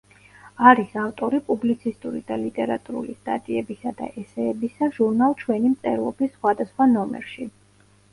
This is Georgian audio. არის ავტორი პუბლიცისტური და ლიტერატურული სტატიებისა და ესეებისა ჟურნალ „ჩვენი მწერლობის“ სხვადასხვა ნომერში.